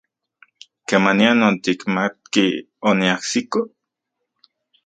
¿Kemanian otikmatki oniajsiko?